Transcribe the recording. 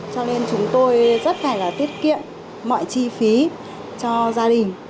cho nên chúng tôi rất phải là tiết kiệm mọi chi phí cho gia đình